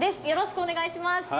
よろしくお願いします！